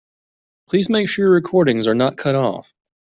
Please make sure your recordings are not cut off.